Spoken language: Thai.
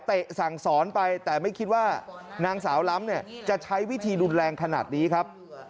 สั่งสอนไปแต่ไม่คิดว่านางสาวล้ำเนี่ยจะใช้วิธีรุนแรงขนาดนี้ครับ